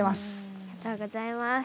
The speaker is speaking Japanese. ありがとうございます。